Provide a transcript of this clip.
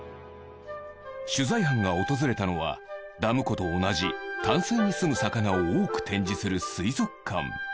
取材班が訪れたのはダム湖と同じ淡水にすむ魚を多く展示する水族館